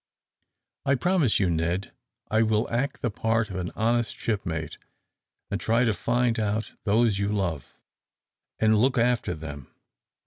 "I promise you, Ned, I will act the part of an honest shipmate, and try and find out those you love, and look after them.